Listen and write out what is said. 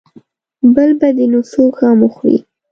بل به دې نو څوک غم وخوري.